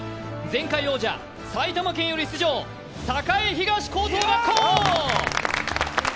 前回王者、埼玉県より出場栄東高等学校。